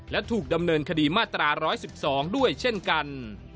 และถูกดำเนินคดีมาตรา๑๑๒ด้วยเช่นกัน